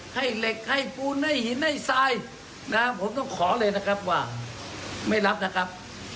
ให้เหล็กให้ปูนให้หินให้ทรายนะผมต้องขอเลยนะครับว่าไม่รับนะครับ